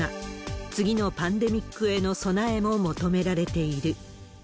次のパンデミックへの備えも求められている。